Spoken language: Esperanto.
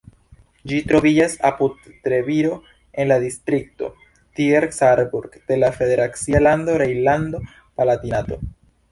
Ĝi troviĝas apud Treviro en la distrikto Trier-Saarburg de la federacia lando Rejnlando-Palatinato.